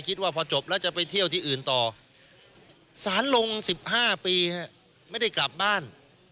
คิดว่าพอจบแล้วจะไปเที่ยวที่อื่นต่อสารลง๑๕ปีไม่ได้กลับบ้าน